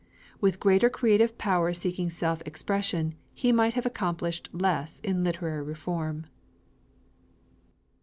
With a greater creative power seeking self expression, he might have accomplished less in literary reform.